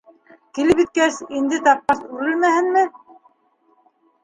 Килеп еткәс, инде тапҡас үрелмәһенме?